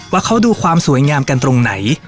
ว่าเขาดูความสวยงามกันตรงไหน